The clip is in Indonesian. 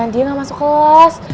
dia gak masuk kelas